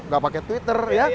gak pake twitter ya